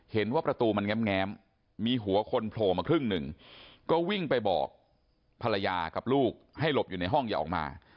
เห็นว่าประตูมันแง้มมีหัวคนโผล่มาครึ่งหนึ่งก็วิ่งไปบอกภรรยากับลูกให้หลบอยู่ในห้องอย่าออกมา